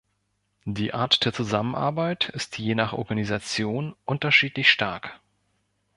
Die Art der Zusammenarbeit ist je nach Organisation unterschiedlich stark.